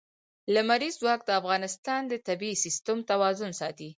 لمریز ځواک د افغانستان د طبعي سیسټم توازن ساتي.